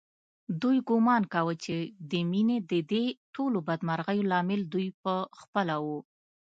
دوی ګومان کاوه چې د مينې ددې ټولو بدمرغیو لامل دوی په خپله و